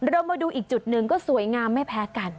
เรามาดูอีกจุดหนึ่งก็สวยงามไม่แพ้กัน